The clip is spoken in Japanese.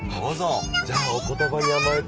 じゃあお言ばにあまえて。